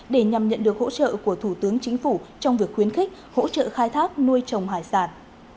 để nhằm nhận được hỗ trợ của thủ tướng chính phủ trong việc khuyến khích hỗ trợ khai thác nuôi trồng hải sản